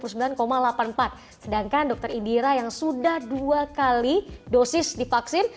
sedangkan dr indira yang sudah dua kali dosis divaksin